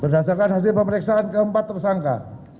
berdasarkan hasil pemeriksaan keempat tersangka